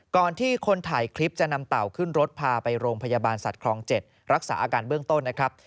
ก่อนที่คนถ่ายคลิปจะนำเต่าขึ้นรถพาไปโรงพยาบาลสัตว์คลอง๗รักษาอาการเบื้องต้นนะครับ